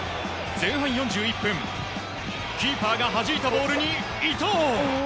前半４１分キーパーがはじいたボールに伊東。